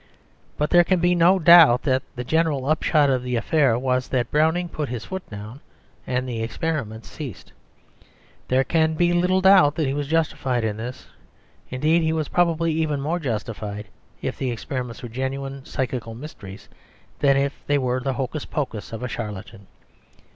But there can be no doubt that the general upshot of the affair was that Browning put his foot down, and the experiments ceased. There can be little doubt that he was justified in this; indeed, he was probably even more justified if the experiments were genuine psychical mysteries than if they were the hocus pocus of a charlatan.